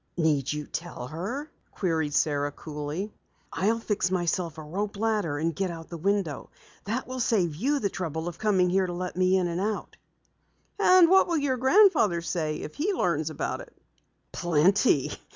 "Need you tell her?" queried Sara coolly. "I'll fix myself a rope ladder and get out the window. That will save you the trouble of coming here to let me in and out." "And what will your grandfather say if he learns about it?" "Plenty!